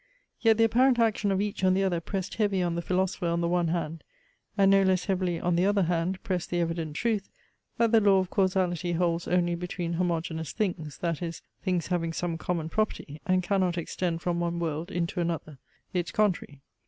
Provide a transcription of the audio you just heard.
Yet the apparent action of each on the other pressed heavy on the philosopher on the one hand; and no less heavily on the other hand pressed the evident truth, that the law of causality holds only between homogeneous things, that is, things having some common property; and cannot extend from one world into another, its contrary.